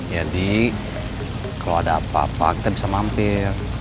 jadi kalo ada apa apa kita bisa mampir